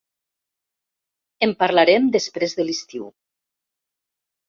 En parlarem després de l'estiu.